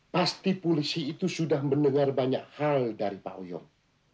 pasti polisi itu sudah mendengar banyak hal dari pak oyong